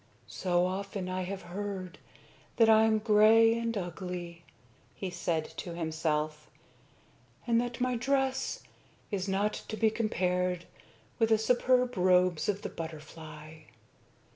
"So often I have heard that I am gray and ugly," he said to himself, "and that my dress is not to be compared with the superb robes of the butterfly.